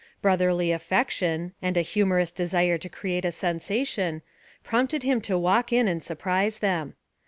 Brotherly affection and a humorous desire to create a sensation prompted him to walk in and surprise them.